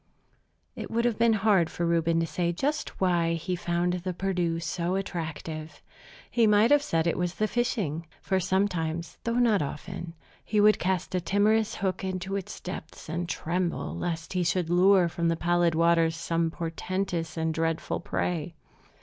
It would have been hard for Reuben to say just why he found the Perdu so attractive. He might have said it was the fishing; for sometimes, though not often, he would cast a timorous hook into its depths and tremble lest he should lure from the pallid waters some portentous and dreadful prey.